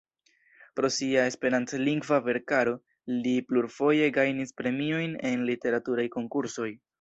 Pro sia esperantlingva verkaro li plurfoje gajnis premiojn en literaturaj konkursoj.